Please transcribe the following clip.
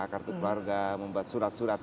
kartu keluarga membuat surat surat